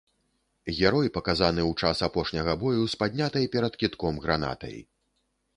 Герой паказаны ў час апошняга бою з паднятай перад кідком гранатай.